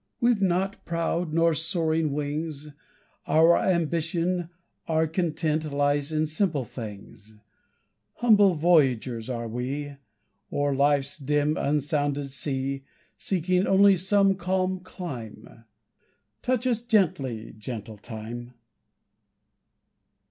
We've not proud nor soaring wings; Our ambition, our content, Lies in simple things. Humble voyagers are we, O'er life's dim unsounded sea, Seeking only some calm clime; Touch us gently, gentle Time!